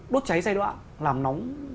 đốt cháy giai đoạn làm nóng